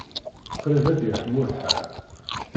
Qrib ad yeḥmu lḥal.